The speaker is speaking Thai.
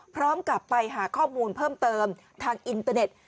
พร้อมกับไปหาข้อมูลเพิ่มเติมทางอินเตอร์เน็ต